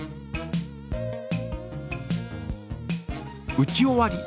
打ち終わり。